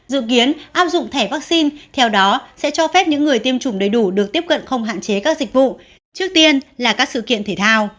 dự kiến áp dụng thẻ vaccine theo đó sẽ cho phép những người tiêm chủng đầy đủ được tiếp cận không hạn chế các dịch vụ trước tiên là các sự kiện thể thao